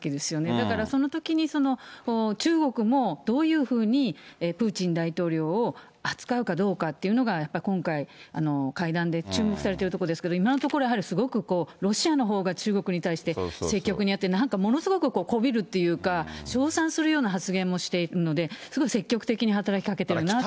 だからそのときに中国もどういうふうにプーチン大統領を扱うかどうかっていうのが、やっぱり今回、会談で注目されているところですけれども、今のところ、やはりすごくロシアのほうが中国に対して積極的になって、なんかものすごくこびるっていうか、称賛するような発言もしているので、すごい積極的に働きかけてるなっていう。